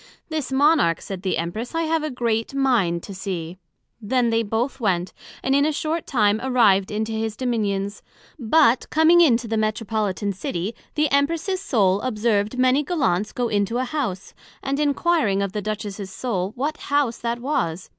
This Monarch, said the Empress, I have a great mind to see. Then they both went, and in a short time arrived into his Dominions; but coming into the Metropolitan City, the Empress's Soul observed many Gallants go into an House; and enquiring of the Duchess's Soul, what House that was?